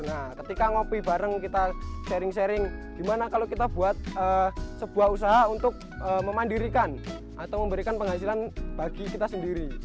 nah ketika ngopi bareng kita sharing sharing gimana kalau kita buat sebuah usaha untuk memandirikan atau memberikan penghasilan bagi kita sendiri